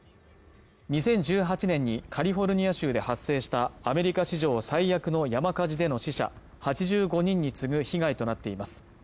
２０１８年にカリフォルニア州で発生したアメリカ史上最悪の山火事での死者８５人に次ぐ被害となっています